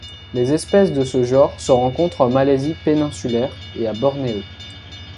Les espèces de ce genre se rencontrent en Malaisie péninsulaire et à Bornéo.